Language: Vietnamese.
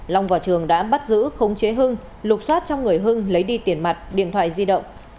long và trường đã bắt giữ khống chế hưng lục xoát trong người hưng lấy đi tiền mặt điện thoại di động